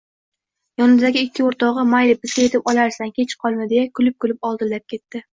Yonidagi ikki oʻrtogʻi “Mayli, bizga yetib olarsan, kech qolma”, deya kulib-kulib oldinlab ketdi.